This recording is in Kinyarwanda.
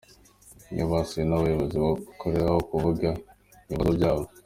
Iyo basuwe n’ubuyobozi baboneraho kuvuga ibibazo byabo.